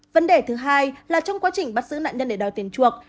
vấn đề thứ hai là trong quá trình bắt giữ nạn nhân để đòi tiền chuộc